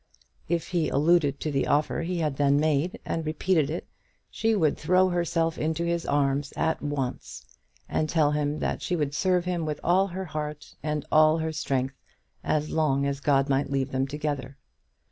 If he alluded to the offer he had then made, and repeated it, she would throw herself into his arms at once, and tell him that she would serve him with all her heart and all her strength as long as God might leave them together.